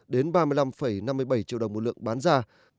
đến ba mươi năm năm mươi bảy triệu đồng một lượng bán ra